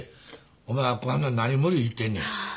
お前明子はんに何無理言うてんねん。